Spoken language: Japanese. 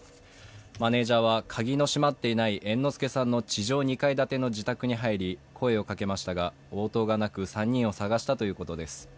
マネージャーは鍵の閉まっていない猿之助さんの地上２階建ての自宅に入り、声をかけましたが、応答がなく３人を探したということです。